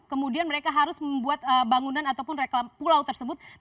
kemudian mereka harus membuat bangunan ataupun reklam pulau tersebut